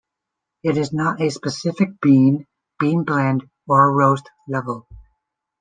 It is not a specific bean, bean blend, or roast level.